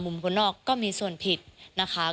คนนอกก็มีส่วนผิดนะคะ